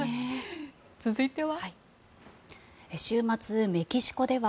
続いては。